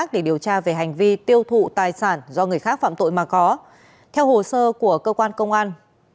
để điều tra về hành vi tiêu thụ tài sản do người khác phạm tội mà có theo hồ sơ của cơ quan công an